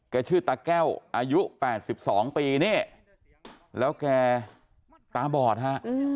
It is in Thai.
ชื่อตาแก้วอายุ๘๒ปีนี่แล้วแกตาบอดฮะ